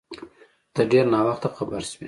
ته ډیر ناوخته خبر سوی